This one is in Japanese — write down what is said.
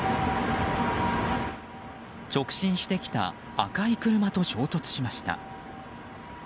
直進してきた赤い車と衝突しました。